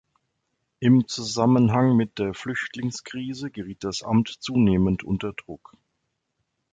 Im Zusammenhang mit der Flüchtlingskrise geriet das Amt zunehmend unter Druck.